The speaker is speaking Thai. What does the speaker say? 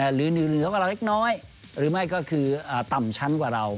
หรือเหลือเวลาเล็กน้อยหรือไม่ก็คือต่ำชั้นกว่าเรา